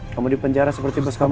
kamu dipenjara seperti bos kamu